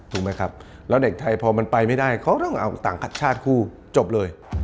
ถูกไหมครับแล้วเด็กไทยพอมันไปไม่ได้เขาต้องเอาต่างชาติคู่จบเลย